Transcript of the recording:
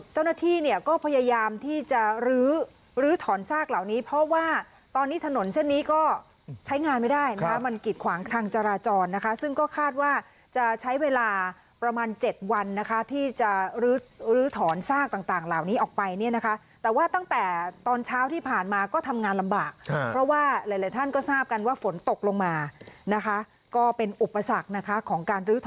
เจ้าหน้าที่เนี่ยก็พยายามที่จะลื้อลื้อถอนซากเหล่านี้เพราะว่าตอนนี้ถนนเส้นนี้ก็ใช้งานไม่ได้นะคะมันกิดขวางทางจราจรนะคะซึ่งก็คาดว่าจะใช้เวลาประมาณ๗วันนะคะที่จะลื้อถอนซากต่างเหล่านี้ออกไปเนี่ยนะคะแต่ว่าตั้งแต่ตอนเช้าที่ผ่านมาก็ทำงานลำบากเพราะว่าหลายหลายท่านก็ทราบกันว่าฝนตกลงมานะคะก็เป็นอุปสรรคนะคะของการร